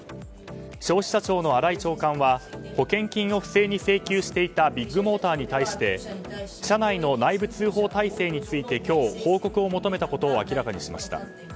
消費者庁の新井長官は保険金を不正に請求していたビッグモーターに対して社内の内部通報体制について今日、報告を求めたことを明らかにしました。